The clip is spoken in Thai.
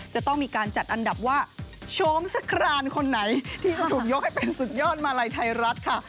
จะต้องมีการจัดอันดับว่าโชมสครานคนไหนที่จะถูกยกให้เป็นสุดยอดมาลัยไทยรัฐค่ะ